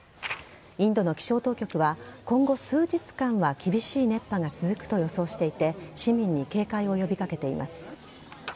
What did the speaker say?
インドの気象当局は、今後数日間は厳しい熱波が続くと予想していて、市民に警戒を呼びかけています。